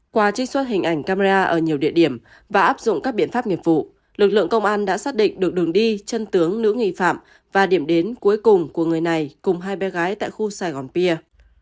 qua trích xuất hình ảnh camera ở nhiều địa điểm và áp dụng các biện pháp nghiệp vụ lực lượng công an đã xác định được đường đi chân tướng nữ nghi phạm và điểm đến cuối cùng của người này cùng hai bé gái tại khu sài gòn pia